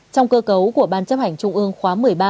trong cơ cấu của ban chấp hành trung ương khóa một mươi ba